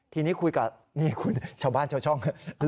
ทีนี้คุยกับชาวบ้านชาวช่อง